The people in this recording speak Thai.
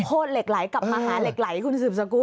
เหล็กไหลกับมหาเหล็กไหลคุณสืบสกุล